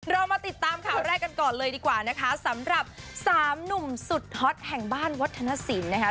เรามาติดตามข่าวแรกกันก่อนเลยดีกว่านะคะสำหรับสามหนุ่มสุดฮอตแห่งบ้านวัฒนศิลป์นะคะ